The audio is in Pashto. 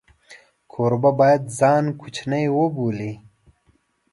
کوربه باید ځان کوچنی وبولي.